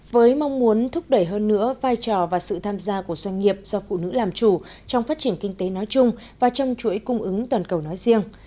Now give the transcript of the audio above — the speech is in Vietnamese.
với mong muốn thúc đẩy hơn nữa vai trò và sự tham gia của doanh nghiệp do phụ nữ làm chủ trong phát triển kinh tế nói chung và trong chuỗi cung ứng toàn cầu nói riêng